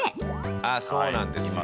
あそうなんですよ。